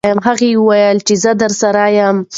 هغې وویل چې زه درسره یم.